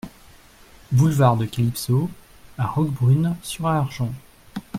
Boulevard de Calypso à Roquebrune-sur-Argens